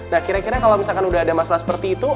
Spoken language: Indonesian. nah kira kira kalau misalkan udah ada masalah seperti itu